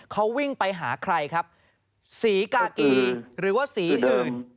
เขาวิ่งไปหาใครครับสีกากีหรือว่าสีอื่น